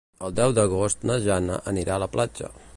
El deu d'agost na Jana anirà a la platja.